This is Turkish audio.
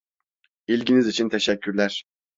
İlginiz için teşekkürler.